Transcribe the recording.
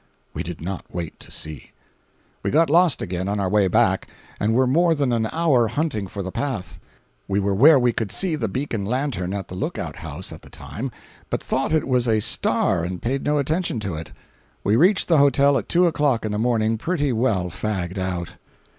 We did not wait to see. We got lost again on our way back, and were more than an hour hunting for the path. We were where we could see the beacon lantern at the look out house at the time, but thought it was a star and paid no attention to it. We reached the hotel at two o'clock in the morning pretty well fagged out.